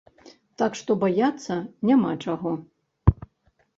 Так што, баяцца няма чаго.